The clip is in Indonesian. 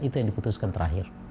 itu yang diputuskan terakhir